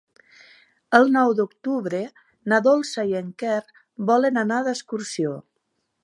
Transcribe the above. El nou d'octubre na Dolça i en Quer volen anar d'excursió.